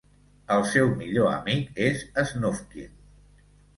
El seu millor amic és Snufkin.